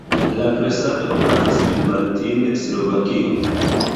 La presado okazas en Martin, Slovakio.